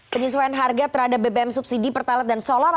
penyesuaian harga terhadap bbm subsidi pertalite dan solar